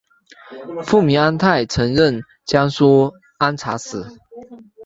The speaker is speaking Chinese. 父明安泰曾任江苏按察使。